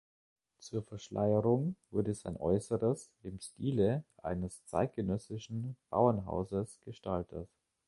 Zur Verschleierung wurde sein Äußeres im Stile eines zeitgenössischen Bauernhauses gestaltet.